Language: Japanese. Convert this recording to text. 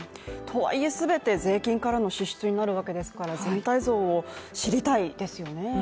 とはいえ、全て税金からの支出になるわけですから全体像を知りたいですよね。